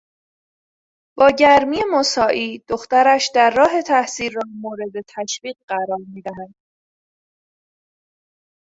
با گرمی مساعی دخترش در راه تحصیل را مورد تشویق قرار میداد.